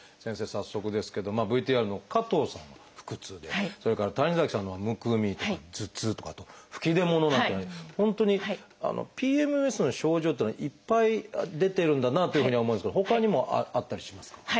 早速ですけどＶＴＲの加藤さん腹痛でそれから谷崎さんのほうはむくみとか頭痛とかあと吹き出物なんていうような本当にＰＭＳの症状っていうのはいっぱい出てるんだなというふうには思うんですけどほかにもあったりしますか？